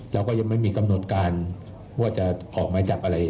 เราก็ยังไม่มีกำหนดการว่าจะออกหมายจับอะไร